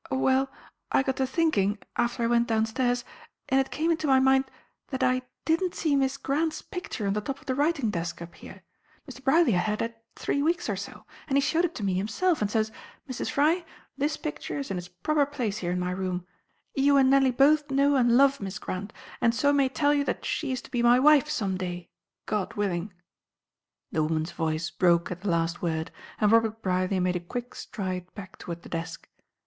"Oh, well, I got to thinking, after I went downstairs, and it came into my mind that I didn't see Miss Grant's picture on the top of the writing desk up here. Mr. Brierly had had it three weeks or so, and he showed it to me himself and says, 'Mrs. Fry, this picture is in its proper place here in my room. You and Nellie both know and love Miss Grant, and so I may tell you that she is to be my wife some day, God willing.'" The woman's voice broke at the last word, and Robert Brierly made a quick stride back toward the desk.